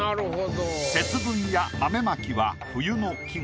「節分」や「豆撒」は冬の季語。